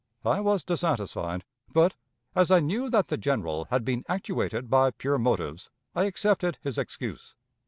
I was dissatisfied, but, as I knew that the General had been actuated by pure motives, I accepted his excuse.